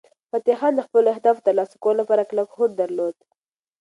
فتح خان د خپلو اهدافو د ترلاسه کولو لپاره کلک هوډ درلود.